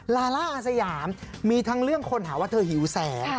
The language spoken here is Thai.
ลาล่าอาสยามมีทั้งเรื่องคนหาว่าเธอหิวแสง